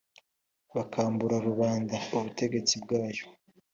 bakambura rubanda ubutegetsi bwayo